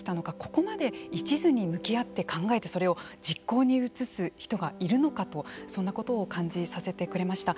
ここまで一途に向き合って考えてそれを実行に移す人がいるのかとそんなことを感じさせてくれました。